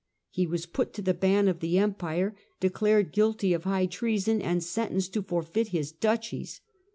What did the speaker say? He was put to the ban of the Empire, declared guilty of high treason, and sentenced to forfeit his duchies.